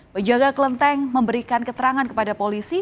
pejaga klenteng memberikan keterangan kepada polisi